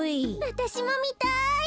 わたしもみたい。